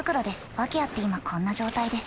訳あって今こんな状態です。